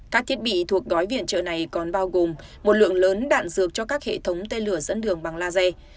các thiết bị thuộc gói viện trợ này còn bao gồm một lượng lớn đạn dược cho các hệ thống tên lửa dẫn đường bằng laser